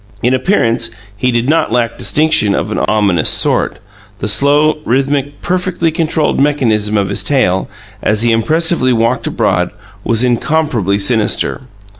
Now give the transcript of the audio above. In appearance he did not lack distinction of an ominous sort; the slow, rhythmic, perfectly controlled mechanism of his tail, as he impressively walked abroad, was incomparably sinister.